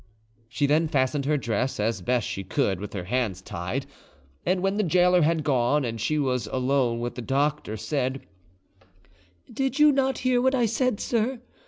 She then fastened her dress as best she could with her hands tied, and when the gaoler had gone and she was alone with the doctor, said:— "Did you not hear what I said, sir?